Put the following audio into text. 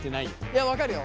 いや分かるよ。